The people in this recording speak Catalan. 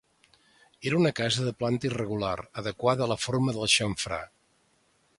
Era una casa de planta irregular, adequada a la forma del xamfrà.